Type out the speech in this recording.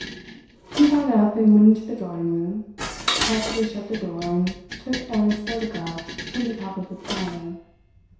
He got up and went into the drawing room, carefully shut the door and took Anna's photograph from the top of the piano.